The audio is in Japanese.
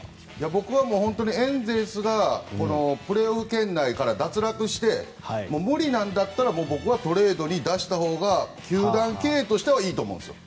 僕はエンゼルスがこのプレーオフ圏内から脱落して、無理なんだったらここはトレードに出したほうが球団経営としてはいいと思うんです。